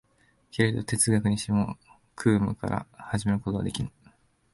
けれど哲学にしても空無から始めることはできぬ。